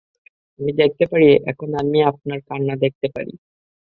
আমি দেখতে পারি, এখন আমি আপনার কাঁন্না দেখতে পারি।